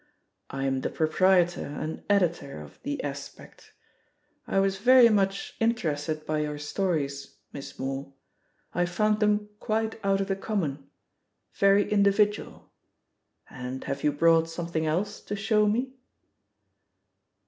I am the proprietor and editor of The Aspect. I was very much inter ested by your stories. Miss Moore ; I found them quite out of the common — ^very individual. And have you brought something else to show me?'